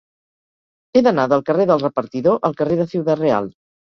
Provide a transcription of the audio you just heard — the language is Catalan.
He d'anar del carrer del Repartidor al carrer de Ciudad Real.